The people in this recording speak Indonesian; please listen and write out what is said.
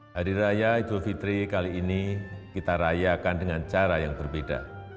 hari raya idul fitri kali ini kita rayakan dengan cara yang berbeda